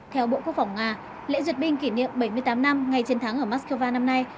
theo bộ quốc phòng nga lễ duyệt binh kỷ niệm bảy mươi tám năm ngày chiến thắng ở moscow năm nay